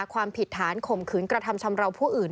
ความผิดฐานข่มขืนกระทำชำราวผู้อื่น